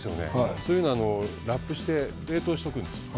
そういうのはラップして冷凍しておくんです。